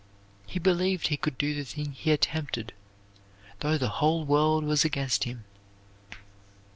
He believed he could do the thing he attempted though the whole world was against him.